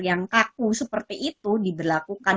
yang kaku seperti itu diberlakukan